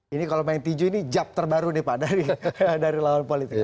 ini kalau main tiju ini jab terbaru nih pak dari lawan politik